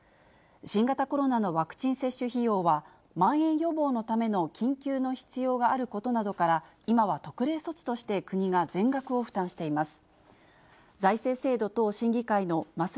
新型コロナのワクチン接種費用は、まん延予防のための緊急の必要があることなどから、今は特例措置として国が全額を負担しています。